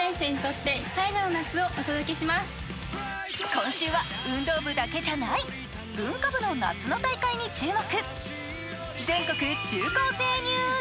今週は運動部だけじゃない、文化部の夏の大会に注目。